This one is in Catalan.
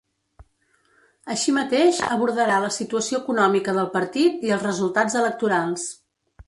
Així mateix, abordarà la situació econòmica del partit i els resultats electorals.